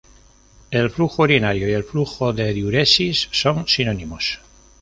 El "flujo urinario" y el "flujo de diuresis" son sinónimos.